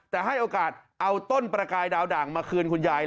แต่ให้โอกาสเอาต้นประกายดาวด่างมาคืนคุณยาย